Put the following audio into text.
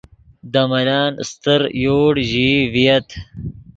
دے ملن استر یوڑ ژیئی ڤییت